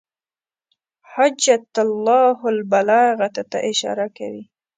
حجة الله البالغة ته اشاره کوي.